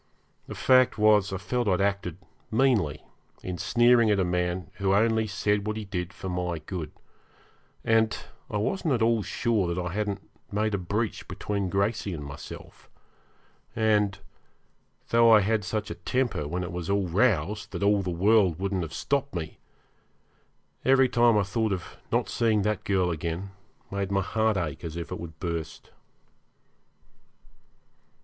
The fact was, I felt I had acted meanly in sneering at a man who only said what he did for my good; and I wasn't at all sure that I hadn't made a breach between Gracey and myself, and, though I had such a temper when it was roused that all the world wouldn't have stopped me, every time I thought of not seeing that girl again made my heart ache as if it would burst.